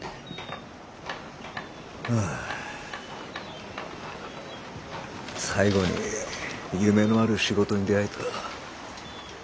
ああ最後に夢のある仕事に出会えた。